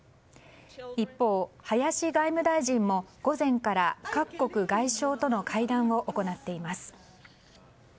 一方、林外務大臣も午前から各国外相との会談を行っています。